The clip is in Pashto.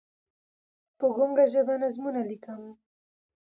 په ګونګه ژبه نظمونه لیکم